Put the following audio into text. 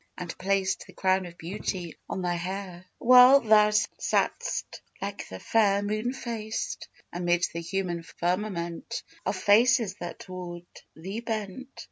and placed The crown of beauty on thy hair, While thou sat'st, like the fair moon faced, Amid the human firmament Of faces that toward thee bent.